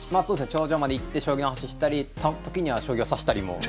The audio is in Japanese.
頂上まで行って将棋の話したり時には将棋を指したりも。